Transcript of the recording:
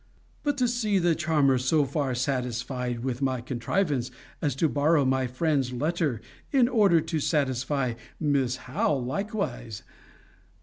But to see the charmer so far satisfied with my contrivance as to borrow my friend's letter, in order to satisfy Miss Howe likewise